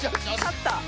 勝った！